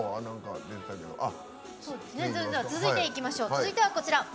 続いては、こちら。